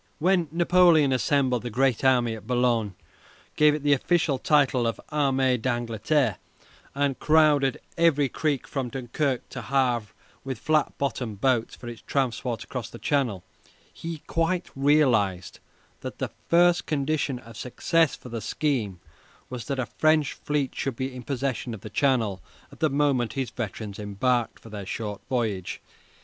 When Napoleon assembled the Grand Army at Boulogne, gave it the official title of the "Armée d'Angleterre," and crowded every creek from Dunkirk to Havre with flat bottomed boats for its transport across the Channel, he quite realized that the first condition of success for the scheme was that a French fleet should be in possession of the Channel at the moment his veterans embarked for their short voyage.